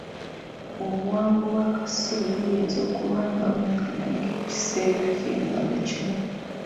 Obuwanvu bw'akasubi buyinza okuba nga bwenkana ng'ekiseera ky'engalo kimu.